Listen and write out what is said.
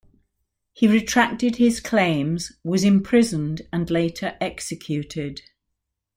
He retracted his claims, was imprisoned and later executed.